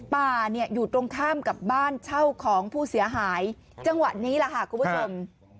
ป่าเนี่ยอยู่ตรงข้ามกับบ้านเช่าของผู้เสียหายจังหวะนี้แหละค่ะคุณผู้ชม